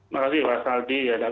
makasih pak saldi